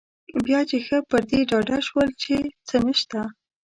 بیا چې ښه پر دې ډاډه شول چې څه نشته.